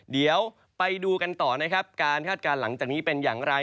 เดี๋ยวไปดูกันต่อนะครับการคาดการณ์หลังจากนี้เป็นอย่างไร